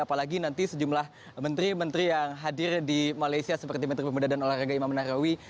apalagi nanti sejumlah menteri menteri yang hadir di malaysia seperti menteri pemuda dan olahraga imam menarawi